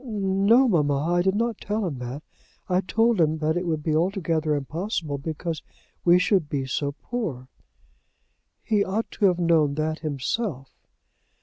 "No, mamma; I did not tell him that. I told him that it would be altogether impossible, because we should be so poor." "He ought to have known that himself."